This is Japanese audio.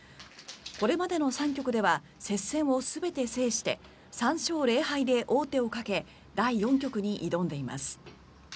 これまでの３局では接戦を全て制して３勝０敗で王手をかけ第４局に挑んでいます。